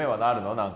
何か。